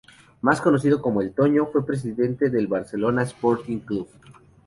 Más conocido como el Toño, fue presidente del Barcelona Sporting Club.